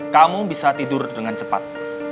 kamu bisa tidur dengan cepat